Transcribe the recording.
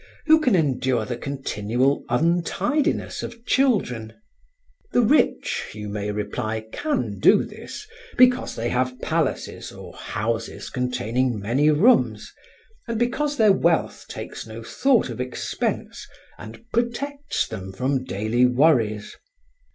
Who can endure the continual untidiness of children? The rich, you may reply, can do this, because they have palaces or houses containing many rooms, and because their wealth takes no thought of expense and protects them from daily worries.